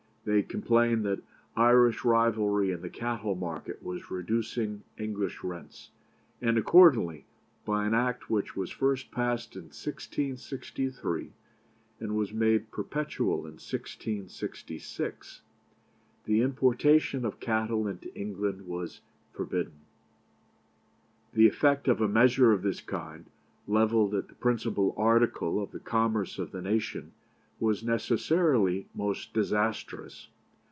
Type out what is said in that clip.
They complained that Irish rivalry in the cattle market was reducing English rents; and accordingly, by an Act which was first passed in 1663, and was made perpetual in 1666, the importation of cattle into England was forbidden. "The effect of a measure of this kind, levelled at the principal article of the commerce of the nation, was necessarily most disastrous.